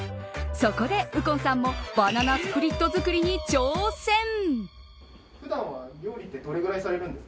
そこで、右近さんもバナナスプリット作りに挑戦。